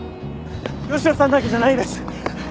吉野さんだけじゃないです。